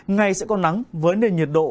ngày sẽ có nắng với nền nhiệt độ